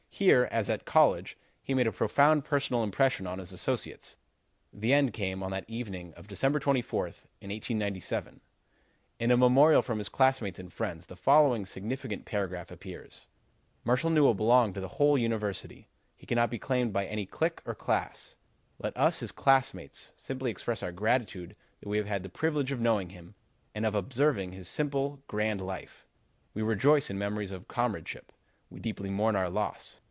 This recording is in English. Here, as at college, he made a profound personal impression on his associates. The end came on the evening of December 24th, in 1897. "In a memorial from his classmates and friends, the following significant paragraph appears: 'Marshall Newell belonged to the whole University. He cannot be claimed by any clique or class. Let us, his classmates, simply express our gratitude that we have had the privilege of knowing him and of observing his simple, grand life. We rejoice in memories of his comradeship; we deeply mourn our loss.